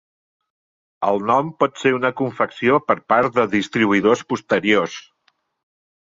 El nom pot ser una confecció per part de distribuïdors posteriors.